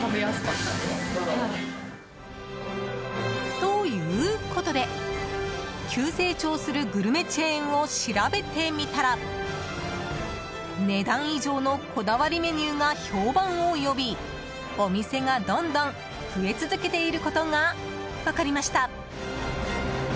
ということで、急成長するグルメチェーンを調べてみたら値段以上のこだわりメニューが評判を呼び、お店がどんどん増え続けていることが分かりました。